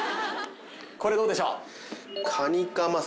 これどうでしょう？